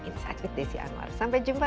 insight with desi anwar sampai jumpa